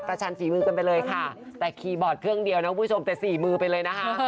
ประชันสี่มือไปไปเลยแต่คีย์บอร์ดเครื่องเดียวของผู้ชมแต่๔มือไปเลยนะฮะ